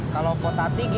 kalau kok tati gini